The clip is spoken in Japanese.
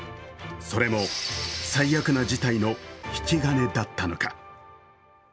それも、最悪な事態の引き金だったのか。